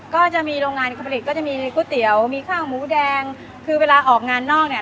ก็จะมีโรงงานผลิตก็จะมีก๋วยเตี๋ยวมีข้าวหมูแดงคือเวลาออกงานนอกเนี่ย